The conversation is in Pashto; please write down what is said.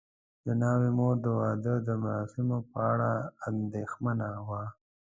د ناوې مور د واده د مراسمو په اړه اندېښمنه وه.